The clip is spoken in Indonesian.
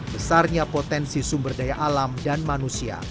besarnya potensi sumber daya alam dan manusia